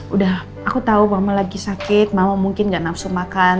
udah aku tahu mama lagi sakit mama mungkin gak nafsu makan